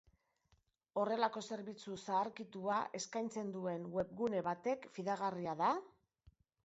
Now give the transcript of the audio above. Horrelako zerbitzu zaharkitua eskaintzen duen webgune batek fidagarria da?